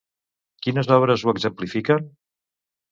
Quines obres ho exemplifiquen?